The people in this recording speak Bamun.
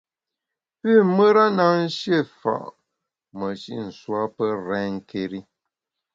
Pü mùra na shié fa’ meshi’ nswa pe renké́ri.